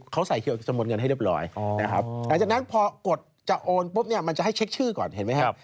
เขาใส่เขียวจำนวนเงินให้เรียบร้อยนะครับหลังจากนั้นพอกดจะโอนปุ๊บเนี่ยมันจะให้เช็คชื่อก่อนเห็นไหมครับ